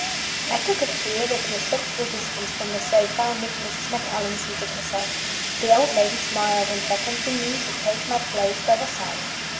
I TOOK a chair at a respectful distance from the sofa on which Mrs. Macallan seated herself. The old lady smiled, and beckoned to me to take my place by her side.